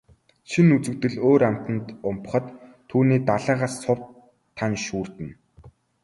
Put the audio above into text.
Шинэ үзэгдэл өөр амтанд умбахад түүний далайгаас сувд, тана шүүрдэнэ.